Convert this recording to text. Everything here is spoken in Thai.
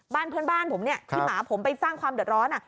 บ้านเพื่อนบ้านผมเนี่ยที่หมาผมไปสร้างความเดือดร้อน